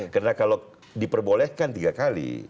karena kalau diperbolehkan tiga kali